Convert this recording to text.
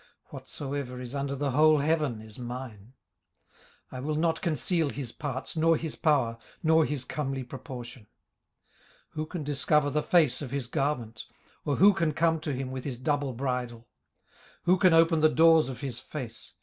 whatsoever is under the whole heaven is mine. 18:041:012 I will not conceal his parts, nor his power, nor his comely proportion. 18:041:013 Who can discover the face of his garment? or who can come to him with his double bridle? 18:041:014 Who can open the doors of his face?